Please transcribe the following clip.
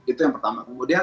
itu yang pertama kemudian